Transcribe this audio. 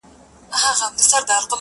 مرگ په ماړه نس خوند کوي.